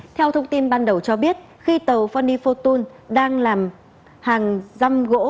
theo thông tin ban đầu cho biết khi tàu unifortune đang làm hàng dăm gỗ